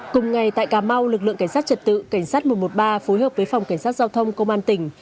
cùng ngày tại cà mau lực lượng cảnh sát trật tự cảnh sát một trăm một mươi ba phối hợp với phòng cảnh sát giao thông công an tỉnh